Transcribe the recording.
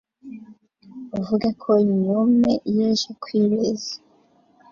Evuge ko nyume yeje kwibeze